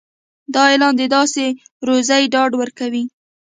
دا اعلان د داسې روزي ډاډ ورکوي.